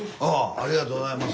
ありがとうございます。